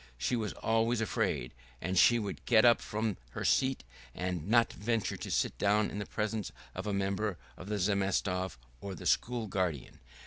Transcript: She was always afraid, and she would get up from her seat and not venture to sit down in the presence of a member of the Zemstvo or the school guardian.